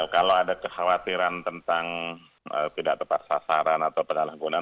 kalau ada kekhawatiran tentang tidak tepat sasaran atau penyalahgunaan